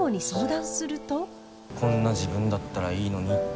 「こんな自分だったらいいのに」って。